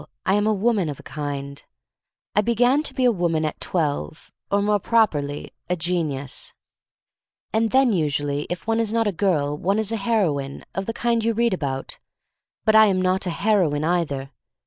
I am a woman, of a kind. I be I40 THE STORY OF MARY MAC LANE gan to be a woman at twelve, or more properly, a genius. And then, usually, if one is not a girl one is a heroine — of the kind you read about. But I am not a heroine, either.